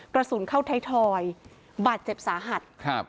กระสุนเข้าไทยทอยบาดเจ็บสาหัสครับ